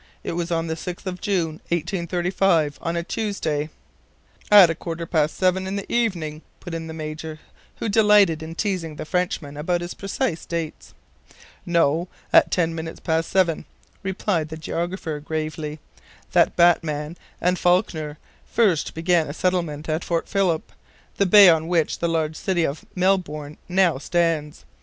It was on the 6th of June, 1835, on a Tuesday " "At a quarter past seven in the evening," put in the Major, who delighted in teasing the Frenchman about his precise dates. "No, at ten minutes past seven," replied the geographer, gravely, "that Batman and Falckner first began a settlement at Port Phillip, the bay on which the large city of Melbourne now stands.